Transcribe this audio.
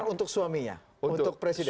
untuk suami ya untuk presiden